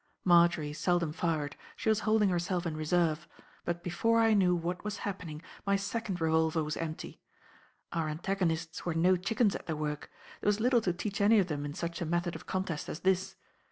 Marjory seldom fired, she was holding herself in reserve; but before I knew what was happening my second revolver was empty. Our antagonists were no chickens at their work; there was little to teach any of them in such a method of contest as this.